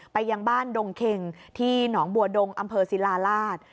ยังบ้านดงเข็งที่หนองบัวดงอำเภอศิลาราช